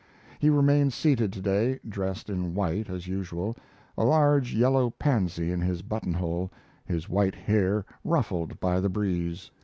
He remained seated today, dressed in white as usual, a large yellow pansy in his buttonhole, his white hair ruffled by the breeze.